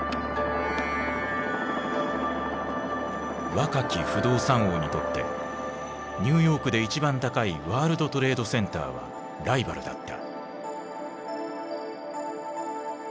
若き不動産王にとってニューヨークで一番高いワールドトレードセンターはライバルだった。